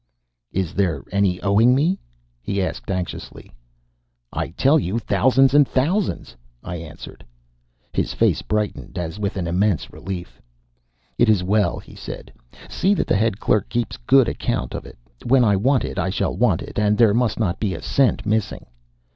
"Is there any owing me?" he asked anxiously. "I tell you thousands and thousands," I answered. His face brightened, as with an immense relief. "It is well," he said. "See that the head clerk keeps good account of it. When I want it, I shall want it, and there must not be a cent missing.